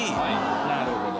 なるほど。